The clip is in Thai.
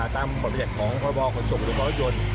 ตามทรวปแปลกของพบกรณ์คนส่งและประวัติรถยนต์